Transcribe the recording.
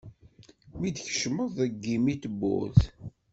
Mi d-tkecmeḍ deg yimi n tewwurt.